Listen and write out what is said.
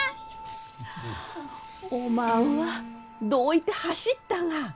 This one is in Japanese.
おまんはどういて走ったが！